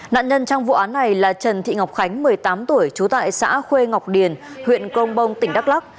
nạn nhân trong vụ án này là trần thị ngọc khánh một mươi tám tuổi trú tại xã khuê ngọc điền huyện công bông tỉnh đắk lắc